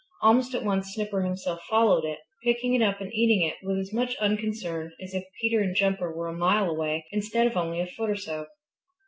Almost at once Snipper himself followed it, picking it up and eating it with as much unconcern as if Peter and Jumper were a mile away instead of only a foot or so.